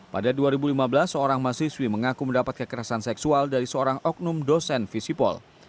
pada dua ribu lima belas seorang mahasiswi mengaku mendapat kekerasan seksual dari seorang oknum dosen visipol